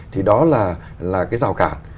thì đó là cái rào cản